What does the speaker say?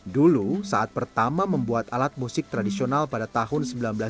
dulu saat pertama membuat alat musik tradisional pada tahun seribu sembilan ratus sembilan puluh